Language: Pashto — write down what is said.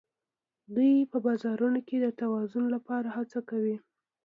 دوی په بازارونو کې د توازن لپاره هڅه کوي